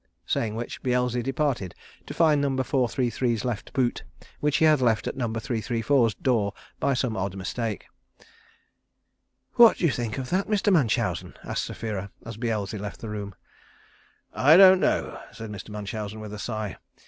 Saying which, Beelzy departed to find Number 433's left boot which he had left at Number 334's door by some odd mistake. "What do you think of that, Mr. Munchausen?" asked Sapphira, as Beelzy left the room. "I don't know," said Mr. Munchausen, with a sigh.